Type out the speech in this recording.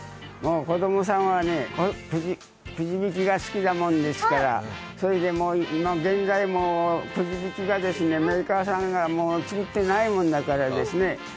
子供さんはくじ引きが好きなもんですから、今現在くじ引きがメーカーさんがもう作ってないもんですからね